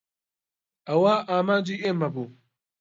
ئەوە ئامانجی ئێمە بوو.